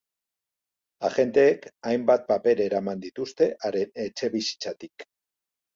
Agenteek hainbat paper eraman dituzte haren etxebizitzatik.